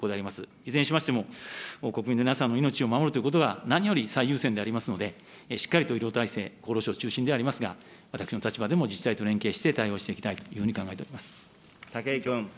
いずれにしましても、国民の皆さんの命を守るということが、何より最優先でありますので、しっかりと医療体制、厚労省中心でありますが、私の立場でも自治体と連携して対応していきたいというふ武井君。